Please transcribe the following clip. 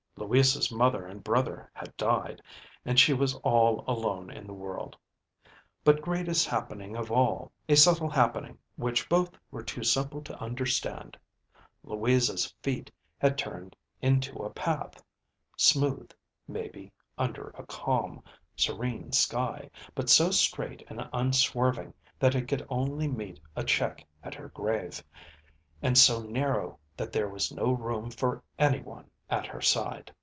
Louisa's mother and brother had died, and she was all alone in the world. But greatest happening of all a subtle happening which both were too simple to understand Louisa's feet had turned into a path, smooth maybe under a calm, serene sky, but so straight and unswerving that it could only meet a check at her grave, and so narrow that there was no room for any one at her side.